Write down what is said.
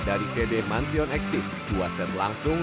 dari pb manzion exis dua set langsung dua satu dua belas dua satu lima belas